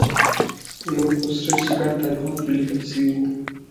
یو پوسټر چې ګڼ تاریخونه پرې لیکل شوي وو.